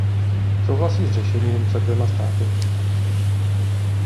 Souhlasí s řešením se dvěma státy.